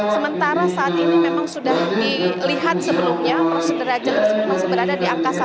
sementara saat ini memang sudah dilihat sebelumnya prosedur derajat masih berada di angka satu